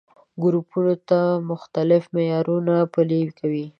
ګروپونو ته مختلف معيارونه پلي کوي.